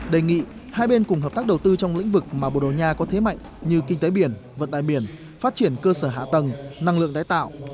đề nghị hai bên cùng hợp tác đầu tư trong lĩnh vực mà bồ đầu nha có thế mạnh như kinh tế biển vận tài biển phát triển cơ sở hạ tầng năng lượng tái tạo